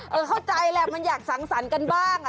เอาข้าวใจแล้วมันยังสังสรรค์กันบ้าง